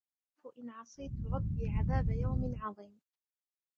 إني أخاف إن عصيت ربي عذاب يوم عظيم ن